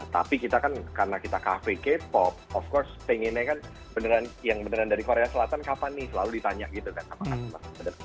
tapi kita kan karena kita cafe k pop of course pengennya kan yang beneran dari korea selatan kapan nih selalu ditanya gitu kan apakah benar